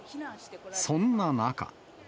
そんな中。